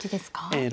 ええ。